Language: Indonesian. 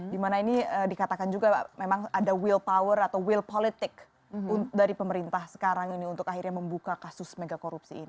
di mana ini dikatakan juga memang ada will power atau will politic dari pemerintah sekarang ini untuk akhirnya membuka kasus mega korupsi ini